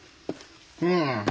うん。